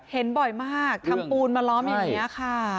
เห็นบ่อยมากทำปูนมาล้อมอย่างนี้ค่ะ